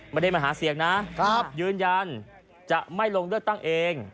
ไม่ได้มาหาเสียงนะยืนยันจะไม่ลงเลือกตั้งเอง